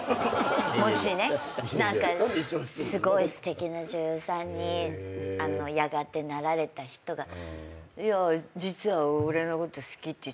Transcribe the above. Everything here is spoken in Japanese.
もしすごいすてきな女優さんにやがてなられた人が「いや実は俺のこと好きって言ってたんだ」